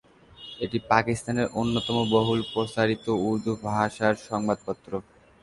এটি পাকিস্তানের অন্যতম বহুল প্রচারিত উর্দু ভাষার সংবাদপত্র।